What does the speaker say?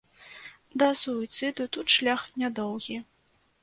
Да суіцыду тут шлях нядоўгі.